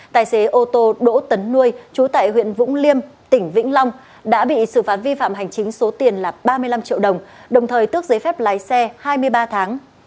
tài xế ô tô đỗ tấn nuôi trú tại huyện vũng liêm tỉnh vĩnh long đã bị xử phạt vi phạm hành chính số tiền là ba mươi năm triệu đồng đồng thời tước giấy phép lái xe hai mươi ba tháng